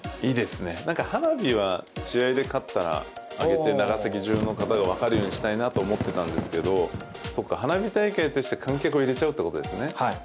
花火は試合で勝ったら上げて長崎中の方が分かるようにしたいと思っていたんですけど花火大会として観客を入れちゃうってことですね。